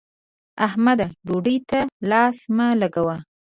احمده! ډوډۍ ته لاس مه لګوه.